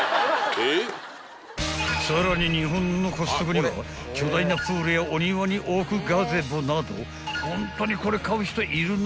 ［さらに日本のコストコには巨大なプールやお庭に置くガゼボなどホントにこれ買う人いるの？